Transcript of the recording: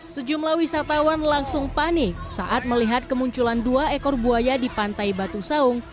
sejumlah wisatawan langsung panik saat melihat kemunculan dua ekor buaya di pantai batu saung